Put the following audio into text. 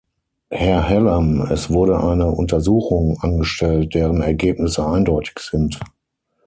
Herr Hallam, es wurde eine Untersuchung angestellt, deren Ergebnisse eindeutig sind.